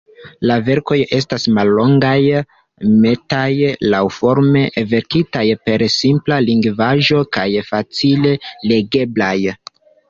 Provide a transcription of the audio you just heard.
La verkoj estas mallongaj, netaj laŭforme, verkitaj per simpla lingvaĵo kaj facile legeblaj.